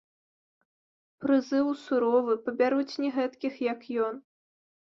Прызыў суровы, пабяруць не гэткіх, як ён.